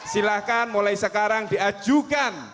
silahkan mulai sekarang di ajukan